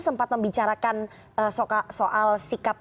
sempat membicarakan soal sikap